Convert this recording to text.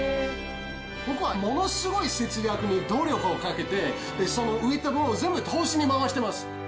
僕はものすごい節約に努力をかけて、その浮いた分を全部投資に回してます。